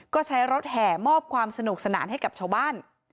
ก็ใช้รถแห่มอบความสนุกสนานให้กับชาวบ้าน